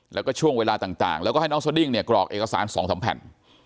แล้วก็ช่วงเวลาต่างแล้วก็ให้น้องสดิ้งเนี่ยกรอกเอกสาร๒๓แผ่น